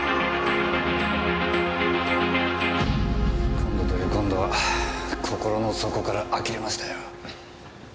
今度という今度は心の底から呆れましたよ。